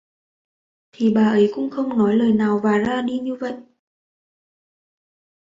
Thì bà ấy cũng không nói lời nào và ra đi như vậy